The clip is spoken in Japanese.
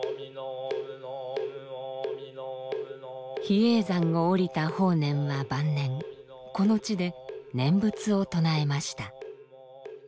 比叡山を下りた法然は晩年この地で念仏を唱えました。